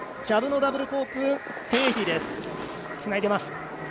キャブのダブルコーク１０８０です。